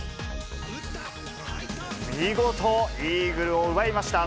見事、イーグルを奪いました。